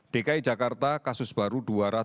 dan dki jakarta kasus baru dua ratus lima puluh tiga orang